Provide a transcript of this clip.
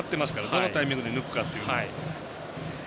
どのタイミングで抜くかというのは。